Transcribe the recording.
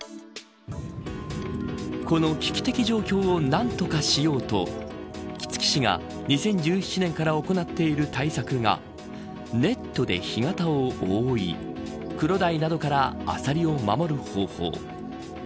この危機的状況を何とかしようと杵築市が２０１７年から行っている対策がネットで干潟を覆いクロダイなどからアサリを守る方法。